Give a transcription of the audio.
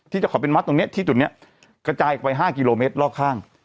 ที่จะขอเป็นวัดตรงเนี้ยที่จุดเนี้ยกระจายไปห้ากิโลเมตรรอบข้าง